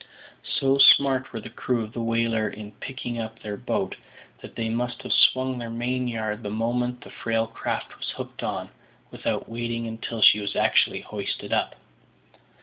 So smart were the crew of the whaler in picking up their boat, that they must have swung their main yard the moment the frail craft was hooked on, without waiting until she was actually hoisted up.